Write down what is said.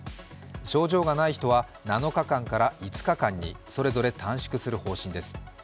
症状がない人は７日間から５日間にそれぞれ短縮する方針です。